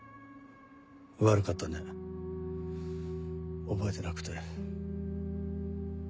悪かったね覚えてなくて。